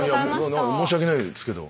申し訳ないですけど。